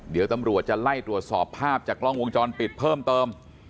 เดี๋ยวตำรวจจะไล่ตรวจสอบภาพจากกล้องวงจรปิดเพิ่มเติม